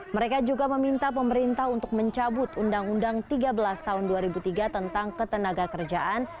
mereka juga meminta pemerintah untuk mencabut undang undang tiga belas tahun dua ribu tiga tentang ketenaga kerjaan